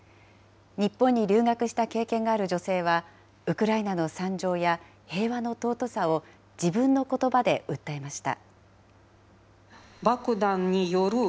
日本に留学した経験がある女性は、ウクライナの惨状や平和の尊さを自分のことばで訴えました。